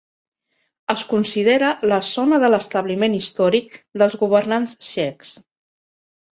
Es considera la zona de l'establiment històric dels governants txecs.